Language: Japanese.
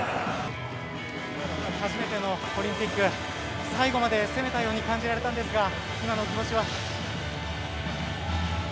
初めてのオリンピック最後まで攻めたように感じられたんですが今のお気持ちは？